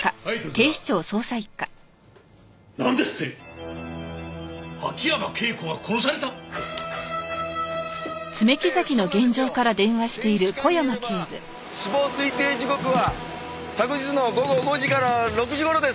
検視官によれば死亡推定時刻は昨日の午後５時から６時頃です。